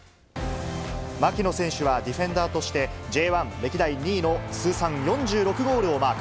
槙野選手はディフェンダーとして、Ｊ１歴代２位の通算４６ゴールをマーク。